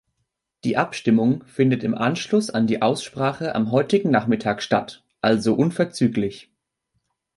Die Abstimmung findet im Anschluss an die Aussprache am heutigen Nachmittag statt, also unverzüglich.